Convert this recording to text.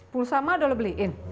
pulsa mbak udah lu beliin